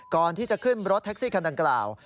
ก่อนที่จะขึ้นรถแท็กซี่คันดังกล่าว